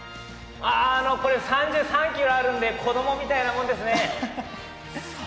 これ、３３ｋｇあるんで、子供みたいなもんですね。